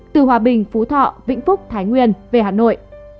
từ hòa bình phú thọ vĩnh phúc thái nguyên về hà nội